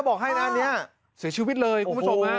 บอกให้นะอันนี้เสียชีวิตเลยคุณผู้ชมฮะ